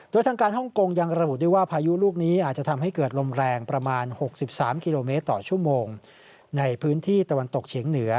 โดยทางการฮ่องกงยังระบุได้ว่าพายุลูกนี้อาจจะทำให้เกิดลมแรงประมาณ๖๓กิโลเมตรต่อชั่วโมงในพื้นที่ตะวันตกเฉียงเหนือ